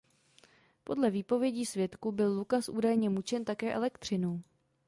Podle výpovědí svědků byl Lukas údajně mučen také elektřinou.